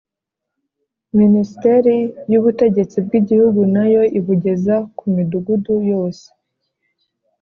Minisiteri y’Ubutegetsi bw’Igihugu nayo ibugeza ku Midugudu yose